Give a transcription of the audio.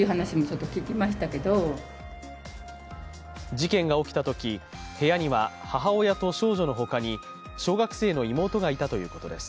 事件が起きたとき、部屋には母親と少女のほかに小学生の妹がいたということです。